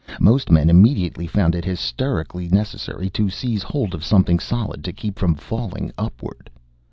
Most men immediately found it hysterically necessary to seize hold of something solid to keep from falling upward.